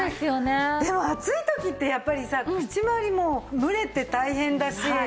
でも暑い時ってやっぱりさ口まわりも蒸れて大変だし。